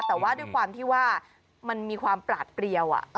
แต่ว่าด้วยความที่ว่ามันมีความปลาดเปรียว